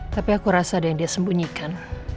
tapi aku rasa ada yang dia sembunyikan